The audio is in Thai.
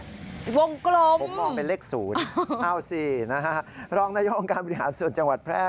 วงกลมผมมองเป็นเลข๐เอาสินะฮะรองนายกองค์การบริหารส่วนจังหวัดแพร่